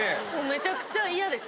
めちゃくちゃ嫌です。